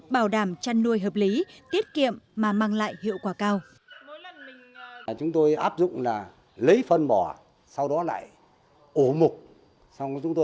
bảo đảm chăn nuôi hợp lý tiết kiệm mà mang lại hiệu quả cao